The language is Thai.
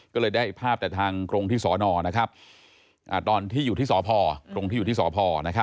ก็เลยได้ภาพแต่ทางกรงที่สนตอนที่อยู่ที่สพ